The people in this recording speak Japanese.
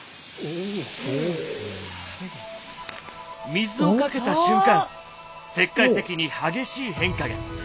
水をかけた瞬間石灰石に激しい変化が！